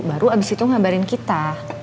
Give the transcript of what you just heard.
baru abis itu ngabarin kita